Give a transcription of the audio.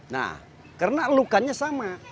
nah karena lukanya sama